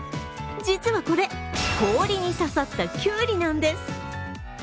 実はこれ、氷に刺さったきゅうりなんです。